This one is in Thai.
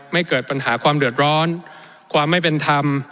เกิดปัญหาความเดือดร้อนความไม่เป็นธรรม